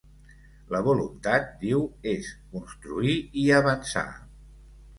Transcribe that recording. La voluntat, diu, és construir i a avançar.